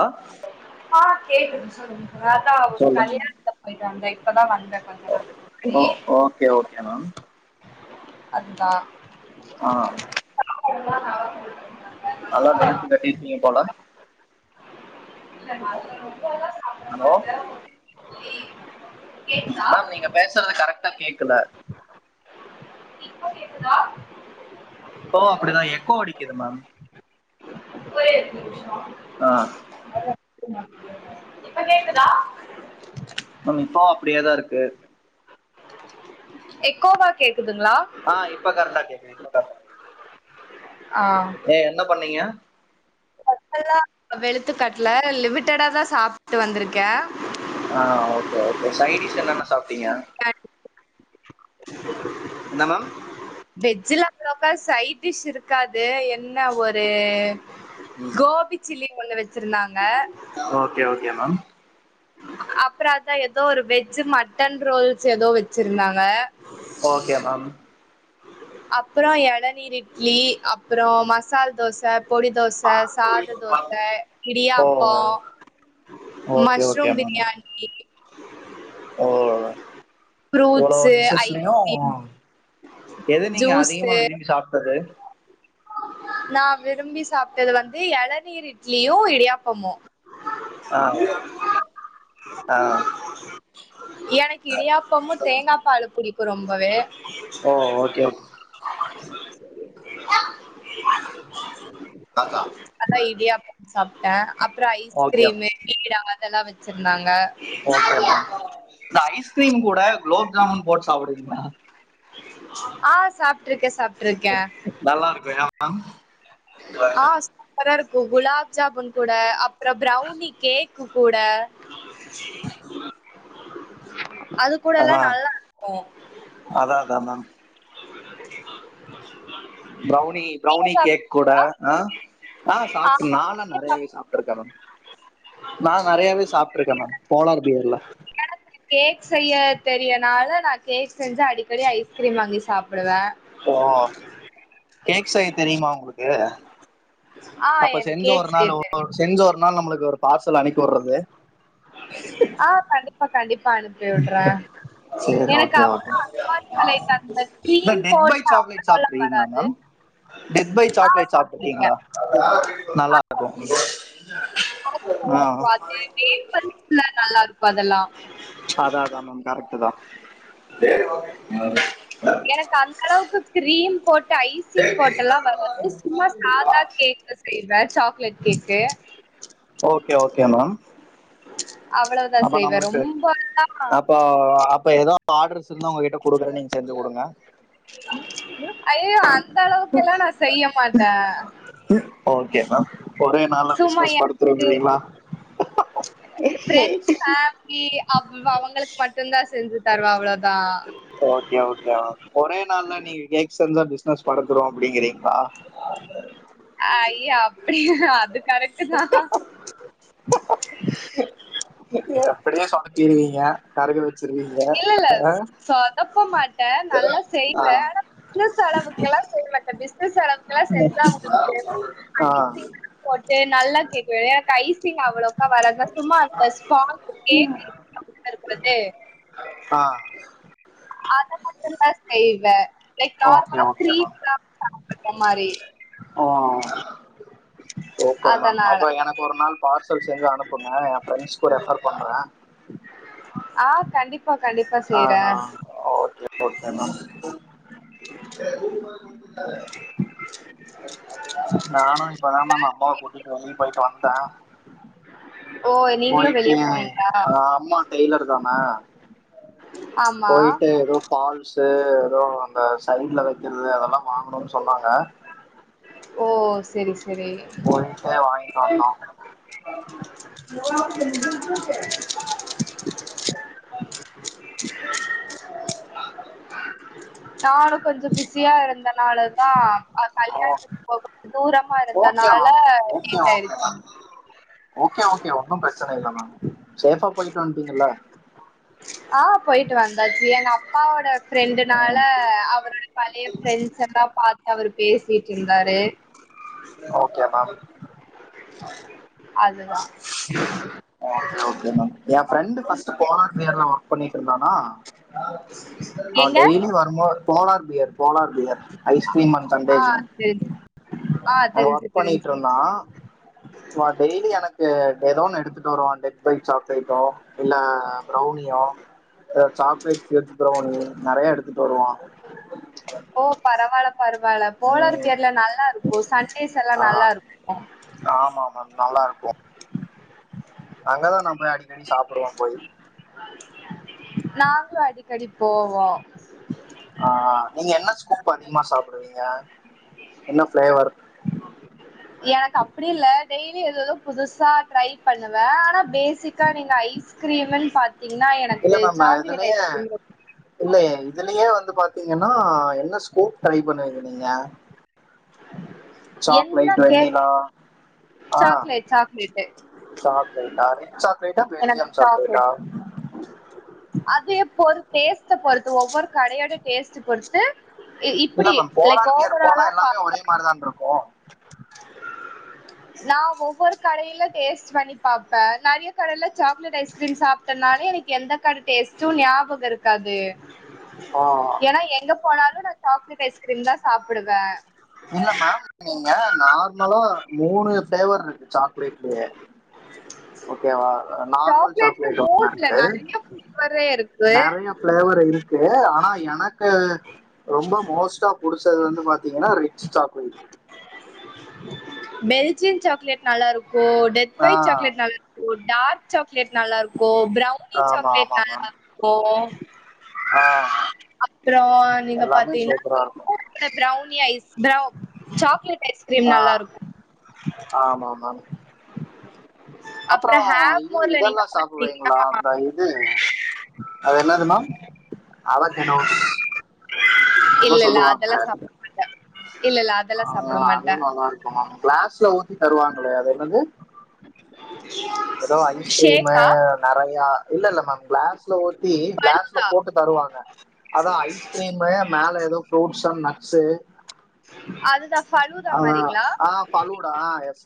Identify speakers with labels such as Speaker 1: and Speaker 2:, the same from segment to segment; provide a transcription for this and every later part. Speaker 1: ஆ
Speaker 2: ஆ கேக்குது சொல்லுங்க [unintelligible] இப்பதா வந்
Speaker 1: ஓ ஓ ஓகே ஓகே மேம்
Speaker 2: அதுதா
Speaker 1: ஆஹ்
Speaker 2: [inaudible]
Speaker 1: நல்லா வெளுத்து கட்டிருக்கிங்க போல ஹலோ மேம் நீங்க பேசுறது
Speaker 2: [inaudible]
Speaker 1: கரெக்டா கேட்கல
Speaker 2: இப்போ கேக்குதா
Speaker 1: இப்போ அப்படிதான் எக்கோ அடிக்குது மேம்
Speaker 2: ஒகே
Speaker 1: ஆஹ்
Speaker 2: இப்ப கேக்குதா
Speaker 1: ஆ இப்போ அப்படியேதான் இருக்கு
Speaker 2: எக்கோவா கேக்
Speaker 1: ஆஹ் இப்போ கரட்டா கேக்குது இப்ப கரட்டா ஏ என்ன பண்ணீங்க
Speaker 2: லாம் வெளுத்துக்கட்ல லிமிட்டடா தான் சாப்ட்டு வந்திருக்கேன்
Speaker 1: ஆஹ் ஓகேஓகே சைடிஷ் என்னன்ன சாப்பிட்டீங்க
Speaker 2: ஆ
Speaker 1: என்ன மேம்
Speaker 2: வெஜ்ல அவ்லோக்கா சைட் டிஷ் இருக்காது என்ன ஒரு கோபிசில்லி ஒன்னு வச் வச்சிருந்தாங்க
Speaker 1: ஓகே ஓகே மேம்
Speaker 2: அப்ராத் ஏதோ ஒரு வெஜ் மட்டன் ரோல்ஸ் ஏதோ வச்சிருந்தாங்க
Speaker 1: ஓகே மேம்
Speaker 2: அப்றம் இளநீர் இட்லி அப்றம் மசால் தோசை பொடி தோச சாத தோச
Speaker 1: ஓ
Speaker 2: இடியாப்பம்
Speaker 1: ஓகே
Speaker 2: மஷ்
Speaker 1: ஓகே
Speaker 2: [unintelligible]
Speaker 1: மேம்
Speaker 2: பிரியாணி உம்
Speaker 1: ஓ இவ்வளவு டிஷஸ்லயும்
Speaker 2: ஐஸ்கிரீம்
Speaker 1: எதை நீங்க அதிகமா
Speaker 2: ஜூஸு
Speaker 1: விரும்பி சாப்ட்டது
Speaker 2: நான் விரும்பி சாப்பிட்டது வந்து எளநீர் இட்லியும் இடியாப்பமோ
Speaker 1: ஆ ஆ
Speaker 2: எனக்கு இடியாப்பமும் தேங்காய் பால் புடி ரொம்பவே [inaudible]
Speaker 1: ஓ ஓகே [inaudible] தாத்தா
Speaker 2: [unintelligible] அதான் இடியாப்பம் சாப்ட்டேன் அப்புறம்
Speaker 1: ஓகே
Speaker 2: ஐஸ்கிரீமு பீடா இதெல்லாம் வச்சிருந்தாங்க
Speaker 1: ஓகே மேம் இந்த ஐஸ்கிரீம் கூட குலாப் ஜாமுன் போட்டு சாப்புடுவிங்ளா
Speaker 2: ஆஹ் சாப்ட்டுருக்கேன் சாப்
Speaker 1: நல்லா இருக்கும் ஏன் மேம்
Speaker 2: ஆஹ் சூப்பரா இருக்கு கு குலாப் ஜாமூன் கூட அப் அப்புற ப்ரௌனி கேக்கு கூட அது
Speaker 1: அதா
Speaker 2: கூடல்லாம் நல்லா இருக்கும்
Speaker 1: அதா அதா மேம்
Speaker 2: [unintelligible]
Speaker 1: ப்ரௌன்னி ப்ரௌனி கேக் கூட ஆஹ் ஆஹ் சாப்டு
Speaker 2: ஆமா
Speaker 1: நான்லாம் நறையாவே சாப்ட்ருக்கேன் மேம் நான் நறையாவே சாப்பிட்டு இருக்கேன் மேம் போலார் பியர்ல
Speaker 2: எனக்கு கேக் செய்ய தெரியனால நான் கேக் செஞ்ச அடிக்கடி ஐஸ்கிரீம் வாங்கி சாப்டுவேன்
Speaker 1: ஓ கேக் செய்ய தெரியுமா உங்ளுக்கு
Speaker 2: ஆ
Speaker 1: அப்ப
Speaker 2: எனக்கு
Speaker 1: செஞ்சு
Speaker 2: கேக்
Speaker 1: ஒரு
Speaker 2: செய்ய
Speaker 1: நாள்
Speaker 2: தெரியு
Speaker 1: செஞ்சு ஒரு நாள் நம்ளுக்கு டி ஒரு பார்சல் அனுப்பி உட்ரது
Speaker 2: ஆஹ் கண்டிப்பா கண்டிப்பா ப்பா அனுப்பி விடுறேன்
Speaker 1: சேரி
Speaker 2: எனக்கு
Speaker 1: ஓகே ஓகே
Speaker 2: அப்புறம்
Speaker 1: இந்த டெட் பை சாக்லேட் சாப்ட்ருக்கீங்களா மேம் டெத் பை சாக்லேட் சாப்ட்ருக்கீங்களா நல்லா இருக்கு ஆ
Speaker 2: [unintelligible] நல்லா இருக்கும் அதெல்லாம்
Speaker 1: அத அதான் மேம் கரெக்டு தான்
Speaker 2: எனக்கு அந்த அளவுக்கு கிரீம் போட்டு ஐசிங் போட்ட எல்லாம் வது சும்மா சாதா கேக்ல செய்வே சாக் ல கேக்கு
Speaker 1: ஓகே ஓகே மேம்
Speaker 2: அவ்வளவுதான்
Speaker 1: அப்ப
Speaker 2: செய்வேன்
Speaker 1: நம்மளுக்கு
Speaker 2: ரொம்பல்லான்
Speaker 1: ஆர்டர் [unintelligible] உங்ககிட்ட கொடுக்குற நீங்க செஞ்சு குடுங்க
Speaker 2: ஐயயோ அந்த அளவுக்கெல்லாம் நான் செய்ய மாட்டேன்
Speaker 1: ஓகே ஒரே நாள
Speaker 2: சும்மா
Speaker 1: பிசினஸ்
Speaker 2: எனக்கு
Speaker 1: படுத்துருங்கிறீங்களா
Speaker 2: [unintelligible] அவங்களுக்கு மட்
Speaker 1: ஓகே ஓகே மேம் ஒரே நாள்லாம் நீங்க கேக் [unintelligible] சினஸ் படத்தறோம் அப்படிங்கறீங்களா
Speaker 2: ஐய அப்டி அது கரெக்ட் தான்
Speaker 1: அப்டியே சோதபிருவிங்க [unintelligible]
Speaker 2: இல்லல்ல சொதப்ப மாட்டேன் நல்லா
Speaker 1: ஆ
Speaker 2: செய்வேன் ஆனா பிளஸ் அளவு
Speaker 1: ஆ
Speaker 2: [unintelligible] [unintelligible] [unintelligible]
Speaker 1: ஆ
Speaker 2: [unintelligible] அத மட்டும் தான் செய்வ லைக்
Speaker 1: ஓகே
Speaker 2: நார்மலா
Speaker 1: ஓகே
Speaker 2: திரீ
Speaker 1: மேம்
Speaker 2: [unintelligible] மாரி
Speaker 1: சுப்பர் மேம்
Speaker 2: அதனால
Speaker 1: அப்ப எனக்கு ஒரு நாள் பார்சல் செஞ்சு அனுப்புங்க என் ஃப்ரெண்ட்ஸ்க்கும் ரெஃப்ர் பண்றேன்
Speaker 2: ஆ கண்டிப்
Speaker 1: ஆஹ் ஹ ஓகே ஓகே மேம் நானும் இப்பதா‌ மேம் அம்மாவை கூட்டிட்டு போயிட்டு வந்தேன்
Speaker 2: ஓ நீங்களும்
Speaker 1: போயிட்டு
Speaker 2: வெளிய போனீங்களா
Speaker 1: அம்மா டெய்லர் தான
Speaker 2: ஆமா
Speaker 1: போயிட்டு ஏதோ பால்சு ஏதோ அந்த சைட்ல வைக்கிறது அதெல்லாம் வாங்கணும்ன்னனு சொன்னாங்க
Speaker 2: ஓ செரி சே
Speaker 1: போயிட்டே வாங்கிட்டு வந்தோம் ஹ
Speaker 2: [unintelligible] [inaudible] நானும் கொஞ்சம் பிஸியா இருந்தனாலதான்
Speaker 1: ஓ
Speaker 2: கல்யாணத்துக்கு போகக்கது தூரமா
Speaker 1: ஓகே
Speaker 2: இருந்தனால
Speaker 1: மேம் ஓகே
Speaker 2: லேட்
Speaker 1: ஓகே
Speaker 2: ஆயடுச்சு
Speaker 1: மேம் ஓகே ஓகே ஒன்னும் பிரச்சன இல்ல மேம் சேஃபா போயிட்டு வந்துட்டீங்கள
Speaker 2: ஆ போயிட்டு வந்தாச்சு எங்க அப்பாவோட ஃப்ரெண்டுனால
Speaker 1: ம்
Speaker 2: அவரோட பழைய ப்ரெண்ட்ஸ் எல்லா பாத்து அவரு பேசிட்ருந்தாரு
Speaker 1: ஓகே மேம்
Speaker 2: அதுதா
Speaker 1: ஓகே ஓகே மேம் என் ஃப்ரெண்ட் ஃபர்ஸ்ட் [unintelligible] வொர்க் பண்ணிட்டு இருந்தானா அவன்
Speaker 2: எங்க
Speaker 1: டெய்லி வரும்போது polar bear polar bear ice cream and Sunday
Speaker 2: ஆ
Speaker 1: ஜோன்
Speaker 2: தெரிஞ்சு ஆ
Speaker 1: அங்க
Speaker 2: தெரிஞ்சு
Speaker 1: ஒர்க்
Speaker 2: தெரிஞ்சு
Speaker 1: பண்ணிட்ருந்தா அவ டெய்லி எனக்கு ஏதோனு எடுத்துட்டு வருவா [unintelligible] சாக்லேட்டோ இல்ல பிரவுனியோ ஆ சாக்லேட்ஸ் [unintelligible] பிரவுனி நெறைய எடுத்துட்டு வருவா
Speaker 2: வேல [unintelligible] நல்லா இருக்கும் சண்டேஸ் எல்லாம்
Speaker 1: ஆ
Speaker 2: நல்லா இருக்கும் [inaudible]
Speaker 1: [unintelligible] அங்கதான் நான் போய் அடிக்கடி சாப்பிடுவோம் போய்
Speaker 2: க்கடி போவோ
Speaker 1: ஆஹ் நீங்க என்ன ஸ்கூப் அதிகமா சாப்பிடுவீங்க என்ன ப்ளேவர்
Speaker 2: எனக்கு அப்டி இல்ல டெய்லி ஏதேதோ புதுசா ட்ரை பண்ண [unintelligible] பேசிக்கா நீங்க ஐஸ்கிரீமுன் பாத்
Speaker 1: இல்ல நம்ம இதுலயே இல்லையே இதுலயே வந்து பாத் தீங்கன்னா என்ன ஸ்கோப் ட்ரை பண்ணுவீங்க நீங்க
Speaker 2: என்ன
Speaker 1: chocolate
Speaker 2: cake
Speaker 1: vanilla
Speaker 2: chocolate chocolate
Speaker 1: சாக்லேட்டா ரிச் சாக்லேட்டா
Speaker 2: எனக்கு
Speaker 1: பெல்ஜியம் சாக்லேட்டா
Speaker 2: சாக்லேட் இப்ப ஒரு டேஸ்டு பொறுத்து ஒவ்வொரு கடையோட டேஸ்ட்டு பொறுத்து
Speaker 1: இல்ல
Speaker 2: இப்டி
Speaker 1: மேம்
Speaker 2: லைக்
Speaker 1: போலான்பியர் போனா
Speaker 2: ஓவராலா
Speaker 1: எல்லாமே
Speaker 2: பாப்பே
Speaker 1: ஒரே மாதிரிதானிருக்கோ
Speaker 2: நா ஒவ்வொரு கடையில டேஸ்ட் பண்ணி பார்ப்பே நெறைய கடையில சாக்லேட் ஐஸ்கிரீம் சாப்ட்டனால எனக்கு எந்த கட டேஸ்ட்டோ ஞாபகோயிருக்காது
Speaker 1: ஆ
Speaker 2: ஏன்னா எங்க போனாலு சாக்லேட் ஐஸ்கிரீம் தா சாப்பிடுவே
Speaker 1: இல்ல மேம் நீங்க நார்மலா மூணு பிளேவருக்கு சாக்லேட்லயே ஓகேவா நார்மல்
Speaker 2: சாக்லேட்ல
Speaker 1: சாக்லேட்
Speaker 2: மோஸ்ட்ல
Speaker 1: ஓண்ணாயிருக்கு
Speaker 2: நெறைய ஃப்ளேவரே இருக்கு.
Speaker 1: நெறைய பிளேவர்யிருக்கு ஆனா எனக்கு ரொம்ப மோஸ்டா புடிச்சது வந்து பாத்தீங்கன்னா rich chocolate
Speaker 2: Belgian chocolate நல்லாருக்கு ஓ டெத்
Speaker 1: ஆ
Speaker 2: பைட் சாக்லேட் இருக்கோ டார்க் சாக் லேட் நல்லாயிருக்கோ ப்ரௌனி
Speaker 1: ஆமா
Speaker 2: சாக்லேட்
Speaker 1: ஆமா மேம்
Speaker 2: நல்லாயிருக்கோ
Speaker 1: ஆ
Speaker 2: அப்றோ நீங்க
Speaker 1: எல்லாமே
Speaker 2: பாத்தீங்கன்னா
Speaker 1: சூப்பரா இருக்கும்
Speaker 2: [unintelligible] நீ ஐஸ் [unintelligible] சாக்லேட் ஐஸ்கிரீம்
Speaker 1: ஆ
Speaker 2: நல்லாயிருக்கோ
Speaker 1: ஆமா [unintelligible] அப்புறோ
Speaker 2: அப்றோ
Speaker 1: இது
Speaker 2: ஹேவ்மோர்ல நீங்க
Speaker 1: இதெல்லா
Speaker 2: பாத்தீங்கன்னா
Speaker 1: சாப்பிடுவீங்களா அந்த இது அது என்னதும்மா அவகேடோஸ் என்னம்மோ
Speaker 2: இல்ல இல்ல அதெல்லா
Speaker 1: சொல்லுவாங்களே
Speaker 2: சாப்ட மாட்டே. இல்ல இல்ல அதெல்லா
Speaker 1: ஆஹா
Speaker 2: சாப்ட
Speaker 1: அதுவோ
Speaker 2: மாட்டே.
Speaker 1: நல்லா இருக்கோ கிளாஸ்ல ஊத்தி தருவாங்களே அத அது எதோ ஐஸ்கிரீமு
Speaker 2: ஷேக்கா?
Speaker 1: நெறையா இல்லயில்ல மேம் கிளாஸ் ல ஊத்தி கிளாஸ்ல
Speaker 2: ஃபலூதா
Speaker 1: போட்டு தருவாங்க அதா ஐஸ்கிரீமு மேல எதோ ஃப்ரூட்ஸ் அண்ட் நட்ஸு
Speaker 2: அதுதா ஃபலூடா மாரிங்களா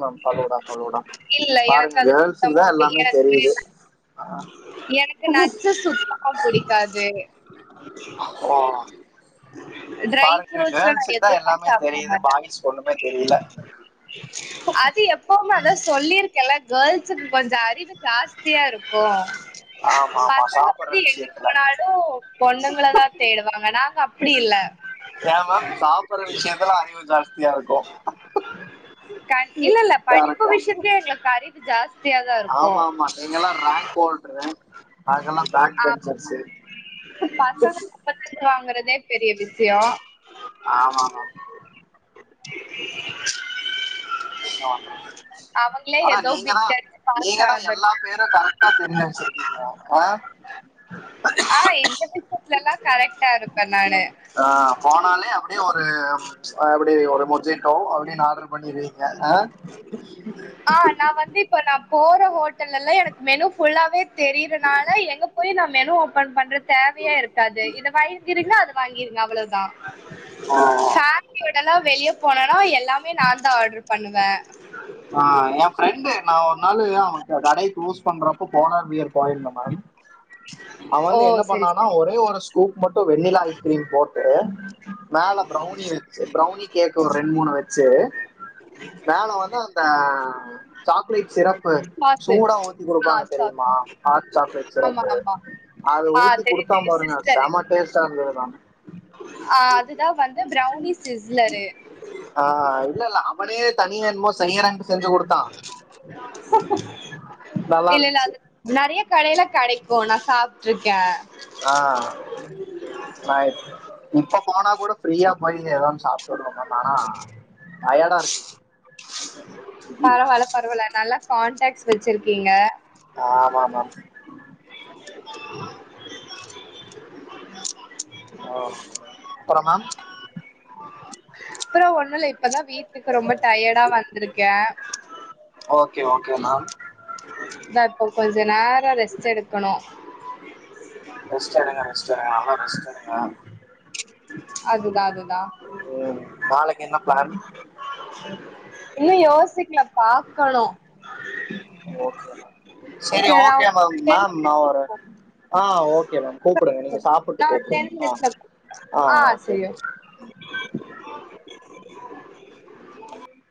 Speaker 1: ப பலூடா பலூடா
Speaker 2: இல்ல எனக்கு அது [unintelligible] எனக்கு
Speaker 1: தெரியுது ஆ
Speaker 2: எனக்கு நட்ஸ்சு சுத்தமா புடிக்காது
Speaker 1: ஓ
Speaker 2: [inaudible]
Speaker 1: பாருங்க
Speaker 2: ட்ரைஃபுட்ஸ்லா நான்
Speaker 1: கேர்ள்ஸுக்கு தா
Speaker 2: எதுவும
Speaker 1: எல்லாமே
Speaker 2: சாப்பிட
Speaker 1: தெரியுது
Speaker 2: மாட்டேன்
Speaker 1: பாய்ஸ்க்கு ஒண்ணுமே தெரியல
Speaker 2: அது எப்பவுமே அதா சொல் இருக்க எல்லாம் கேர்ள்சுக்கு கொஞ்சம அறிவு ஜாஸ்தியா இருக்கு
Speaker 1: ஆமா ஆமா
Speaker 2: பசங்க
Speaker 1: சாப்புட்ற
Speaker 2: வந்து எங்க
Speaker 1: விஷயத்துல
Speaker 2: போனாலும் பொண்ணுகல தான் தேடுவாங்க நாங்க அப்படி இல்ல
Speaker 1: ஏ மேம் சாப்புட்ற விஷயத்துல அறிவு ஜாஸ்தியா இருக்கு
Speaker 2: கண் இல்ல இல்ல படிப்பு
Speaker 1: கரெக்டா
Speaker 2: விஷயத் கே எங்களுக்கு அறிவு ஜாஸ்
Speaker 1: ஆமா ஆமா நீங்க எல்லாம் ரேங்க் ஹோல்டுரு நாங்கெல்லாம் பேக்
Speaker 2: ஆமா
Speaker 1: பென்சர்ஸ்சு
Speaker 2: வரதே பெரிய விஷயம்
Speaker 1: ஆமா மேம்
Speaker 2: [unintelligible]
Speaker 1: என்ன பண்றது
Speaker 2: அவங்களே
Speaker 1: ஆனா
Speaker 2: ஏதோ
Speaker 1: நீங்கதா
Speaker 2: பிட் அடிச்சு பாஸ்
Speaker 1: நீங்கதா
Speaker 2: ஆனது
Speaker 1: எல்லா பேரு கரெக்டா தெரிஞ்சு வச்சிருக்கீங்க ஆ
Speaker 2: ஆ இந்த விஷயத்துலல்லா கரெக்டா இருப்பே நானு
Speaker 1: ஆ [unintelligible] அப்டியே ஒரு அப்டி ஒரு மொஜேட்டோ அப்டின்னு ஆர்டர் பண்ணி இருப் அ ஆ [inaudible]
Speaker 2: ஆ நான் வந்து இப்ப நான் போற ஹோட்டல்ல எல்லாம் எனக்கு மெனு ஃபுல்லாவே தெரியதுனால எங்க போய் நான் மெனு ஓப்பன் பண்ற தேவையா இருக்காது இதை வாங்கிறீங்களா அது வாங்கிருங்க அவ்வளவுதான்
Speaker 1: ஓ
Speaker 2: ஹப்பிய எப்ப வெளிய போனாலு எல்லாமே நாந்தா ஆர்டர் பண்ணுவே
Speaker 1: ஆ என் ஃப்ரெண்டு நா ஒரு நாளு அவ க கடைய க்ளோஸ் பண்றப் ப்ப [unintelligible] போயிருந்த மேம் அவன்
Speaker 2: ஓ!
Speaker 1: வந்து என்ன
Speaker 2: சரி,
Speaker 1: பண்ணனா
Speaker 2: சரி.
Speaker 1: ஒரே ஒரு ஸ்கூப் மட்டும் வெண்ணிலா ஐஸ்கிரீம் போட்டு மேல ப்ரௌனி வச்சு ப்ரௌனி கேக் ஒரு ரெண்டு மூணு வச்சு மேல வந்து த சாக்லேட் சிரப்பு
Speaker 2: சாஸு.
Speaker 1: சூடா ஊத்தி
Speaker 2: ஆ
Speaker 1: குடுப்பாங்க
Speaker 2: சாஸ்.
Speaker 1: தெரியுமா ஹாட் சாக்லேட்
Speaker 2: ஆமா,
Speaker 1: சிரப்பு
Speaker 2: ஆமா.
Speaker 1: அத
Speaker 2: ஆ
Speaker 1: ஊத்தி
Speaker 2: தெரியும்,
Speaker 1: குடுத்தா
Speaker 2: தெரியும்.
Speaker 1: பாருங்க
Speaker 2: சிஸ்லரு.
Speaker 1: செமா டேஸ்டா இருந்தது மேம்
Speaker 2: ஆ அதுதான் வந்து ப்ரௌனி சிஸ்லரு.
Speaker 1: ஆஹ் இல்லல அப்டியே தனியா என்னமோ னக்கு செஞ்சு கொடுத்தான் நல்லா
Speaker 2: இல்ல, இல்ல.
Speaker 1: இருந்துச்சு
Speaker 2: அது நெறைய கடையில கெடைக்கு நா சாப்ட்ருக்கே
Speaker 1: ஆஹ் ஹா இப்ப போனா கூட ஃப்ரீயா போயி ஏதன்னு சாப் இருக்கு
Speaker 2: பரவால பரவால நல்லா கான்டக்ஸ் வச்சிருக்கீங்க
Speaker 1: ஆமாம்மா அப்புறம் மேம்
Speaker 2: அப்றோ ஒண்ணுல்ல இப் இப்பதா வீட்டுக்கு ரொம்ப டயடா வந்திருக்கே
Speaker 1: okay okay ma'am
Speaker 2: but [unintelligible] கொஞ்சநேர் [unintelligible] rest எடுக்கணோ
Speaker 1: ரெஸ்ட்டெடுங்க ரெஸ்ட்டெடுங்க [unintelligible] [unintelligible]
Speaker 2: அதுதா அதுதா
Speaker 1: நாளைக்கு என்ன பிளான்
Speaker 2: இன்னோ யோசிக்கல பாக்கணோ
Speaker 1: ஓகே மேம் செரி
Speaker 2: சரி நா
Speaker 1: ஓகே மேம்
Speaker 2: ஒரு டென்
Speaker 1: மேம் நா ஒரு
Speaker 2: மினிட்ஸ்
Speaker 1: ஆ ஓகே மேம் கூப்புடுங்க நீங்க
Speaker 2: நா
Speaker 1: சாப்புட்டு
Speaker 2: ஒரு டென்
Speaker 1: கூப்புடுங்க ஆ
Speaker 2: மினிட்ஸ்ல
Speaker 1: ஆ ஓகே மேம் ம்
Speaker 2: [inaudible]